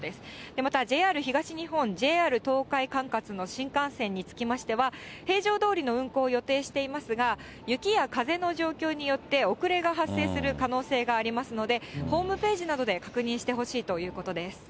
またＪＲ東日本、ＪＲ東海管轄の新幹線につきましては、平常どおりの運行を予定していますが、雪や風の状況によって遅れが発生する可能性がありますので、ホームページなどで確認してほしいということです。